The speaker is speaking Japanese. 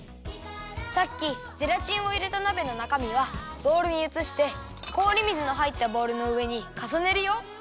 さっきゼラチンをいれたなべのなかみはボウルにうつして氷水のはいったボウルのうえにかさねるよ。